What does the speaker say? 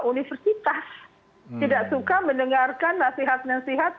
universitas tidak suka mendengarkan nasihat nasihat